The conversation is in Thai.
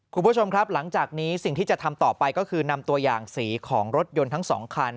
คุณผู้ชมครับหลังจากนี้สิ่งที่จะทำต่อไปก็คือนำตัวอย่างสีของรถยนต์ทั้งสองคัน